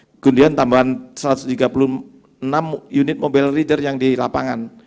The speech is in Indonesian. kemudian tambahan satu ratus tiga puluh enam unit mobile reader yang di lapangan